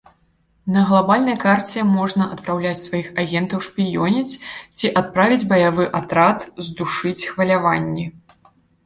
На глабальнай карце можна адпраўляць сваіх агентаў шпіёніць ці адправіць баявы атрад здушыць хваляванні.